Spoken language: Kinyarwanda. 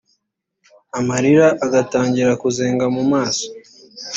amarira agatangira kuzenga mu maso